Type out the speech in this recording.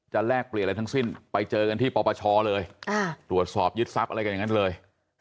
แลกเปลี่ยนอะไรทั้งสิ้นไปเจอกันที่ปปชเลยตรวจสอบยึดทรัพย์อะไรกันอย่างนั้นเลย